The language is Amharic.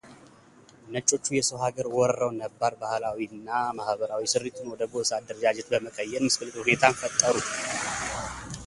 ነጮቹ የሰው ሀገር ወርረው ነባር ባሕላዊና ማኅበረሰባዊ ሥሪቱን ወደጎሳ አደረጃጀት በመቀየር ምስቅልቅል ሁኔታን ፈጠሩ።